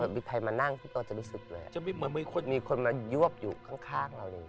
มีใครมานั่งพี่ตัวจะรู้สึกแบบมีคนมายวบอยู่ข้างเรา